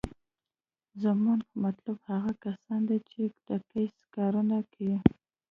زمونګه مطلوب هغه کسان دي چې دقسې کارونه کيي.